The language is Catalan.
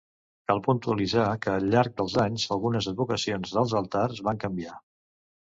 Cal puntualitzar que al llarg dels anys algunes advocacions dels altars van canviar.